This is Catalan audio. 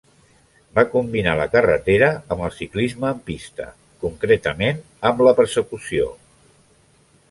Va combinar la carretera amb el ciclisme en pista, concretament amb la persecució.